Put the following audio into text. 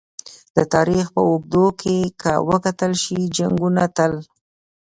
د تاریخ په اوږدو کې که وکتل شي! جنګونه تل